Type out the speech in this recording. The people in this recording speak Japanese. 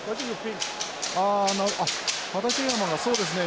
ああ畠山がそうですね